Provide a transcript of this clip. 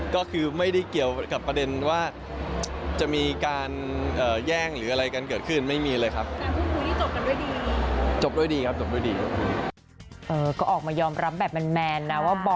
ก็คือไม่ได้เกี่ยวกับประเด็นว่าจะมีการแย่งหรืออะไรกันเกิดขึ้นไม่มีเลยครับ